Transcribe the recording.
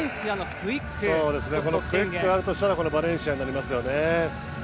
クイックがあるとしたらバレンシアになりますよね。